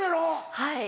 はい。